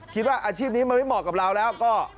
คิดว่าอาชีพนี้มันไม่เหมาะกับเราแล้วก็